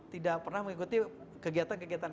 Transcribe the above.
tidak pernah mengikuti kegiatan kegiatan